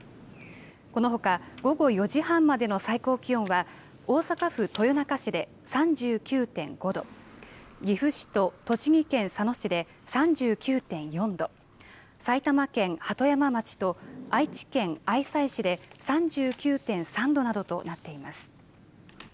このほか午後４時半までの最高気温が大阪府豊中市で３９．５度岐阜市と栃木県佐野市で３９．４度埼玉県鳩山町と愛知県、愛西市で３９．８度などとなっています。